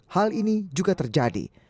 hal ini juga terjadi